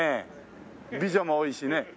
美女も多いしね。